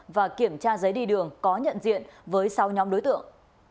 và kiểm tra giấy đi đường có nhận diện với sáu nhóm đối tượng